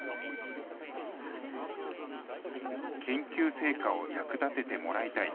研究成果を役立ててもらいたい。